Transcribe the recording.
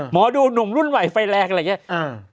หมอดูหนุ่มรุ่นใหม่ไฟแรงอะไรอย่างนี้